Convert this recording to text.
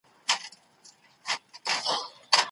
د ستوني بدلون ته پام وکړئ.